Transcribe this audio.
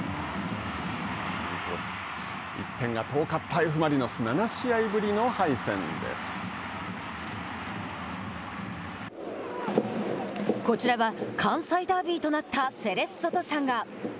１点が遠かったＦ・マリノスこちらは関西ダービーとなったセレッソとサンガ。